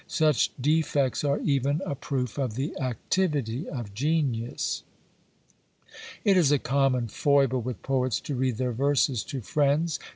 Such defects are even a proof of the activity of genius. It is a common foible with poets to read their verses to friends.